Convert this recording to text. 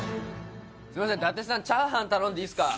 すみません伊達さんチャーハン頼んでいいですか？